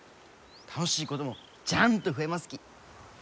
楽しいこともジャンと増えますき。